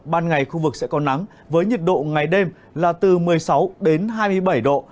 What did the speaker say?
ban ngày khu vực sẽ có nắng với nhiệt độ ngày đêm là từ một mươi sáu đến hai mươi bảy độ